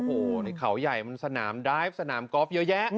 โอ้โหในเขาใหญ่มันสนามดราฟ์สนามกอล์ฟเยอะแยะอืม